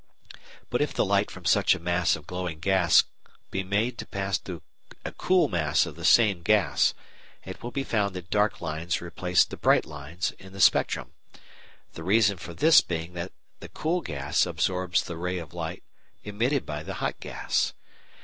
But if the light from such a mass of glowing gas be made to pass through a cool mass of the same gas it will be found that dark lines replace the bright lines in the spectrum, the reason for this being that the cool gas absorbs the rays of light emitted by the hot gas.